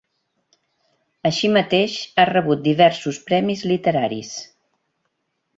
Així mateix ha rebut diversos premis literaris.